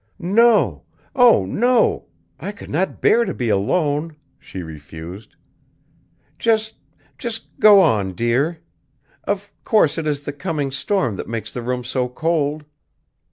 "No! Oh, no! I could not bear to be alone," she refused. "Just, just go on, dear. Of course it is the coming storm that makes the room so cold."